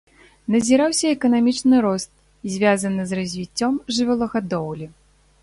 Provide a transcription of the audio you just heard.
Назіраўся эканамічны рост, звязаны з развіццём жывёлагадоўлі.